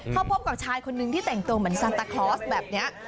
เขาพบกับชายคนนึงที่แต่งตัวเหมือนซันตาคลอสแบบนี้